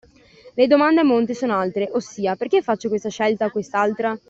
Le domande a monte sono altre, ossia, perché faccio questa scelta o quest’altra?